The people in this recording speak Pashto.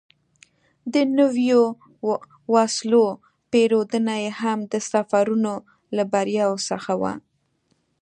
د نویو وسلو پېرودنه یې هم د سفرونو له بریاوو څخه وه.